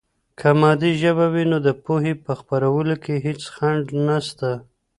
که مادي ژبه وي، نو د پوهې په خپرولو کې هېڅ خنډ نسته.